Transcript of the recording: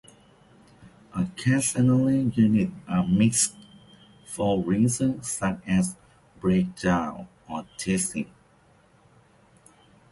Occasionally units are mixed for reasons such as breakdowns or testing.